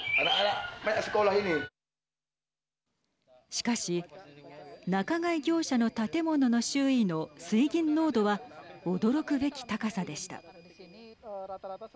しかし、仲買業者の建物の周囲の水銀濃度は驚くべき高さでした。